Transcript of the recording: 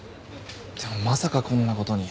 でもまさかこんな事に。